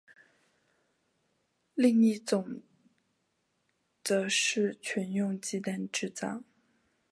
另一种则是全用鸡蛋制造。